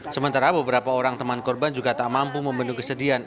sementara beberapa orang teman korban juga tak mampu membendung kesedihan